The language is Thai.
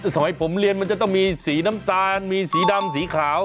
สอยผมเรียนมันจะต้องมีสีน้ำตาลมีสีดำสีขาว